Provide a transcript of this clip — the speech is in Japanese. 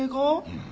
うん。